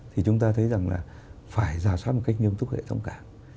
thì chúng ta thấy rằng là phải giả soát một cách nghiêm túc hệ thống cảng